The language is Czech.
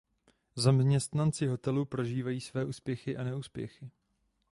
Zaměstnanci hotelu prožívají své úspěchy a neúspěchy.